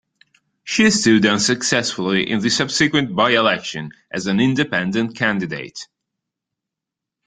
She stood unsuccessfully in the subsequent by-election as an "Independent" candidate.